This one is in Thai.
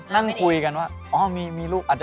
นั่งคุยกันว่าอ่อมีมีลูก